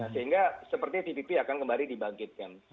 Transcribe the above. sehingga sepertinya tpp akan kembali dibangkitkan